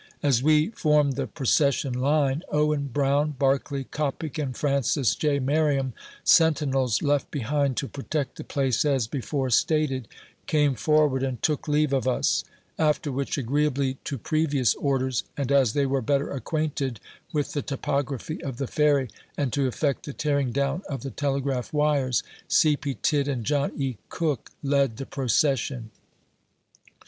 As we formed the procession line, Owen Brown, Barclay Coppic, and Francis J. Merriam, sentinels left behind to protect the place as before stated, came forward and took leave of us ; after which, agreeably to previous ordere, and as they were better acquainted with the topography of the Ferry, and to effect the tearing down of the telegraph wires, C. P. Tidd and John E. Cook led the procession.